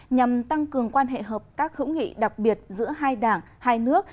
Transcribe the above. nhằm tăng cường quan hệ hợp tác hữu nghị đặc biệt giữa hai đảng hai nước